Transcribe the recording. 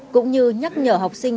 cũng như nhắc nhở học sinh